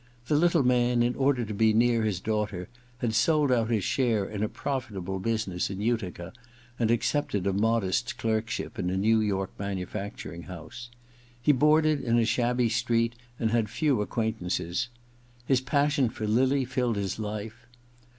The little man, in order to be near his daughter, had sold out his share in a profitable business in Utica, and accepted a modest clerkship in a New York manufacturing house. He boarded in a shabby street and had few acquaintances. His passion for lily filled his life.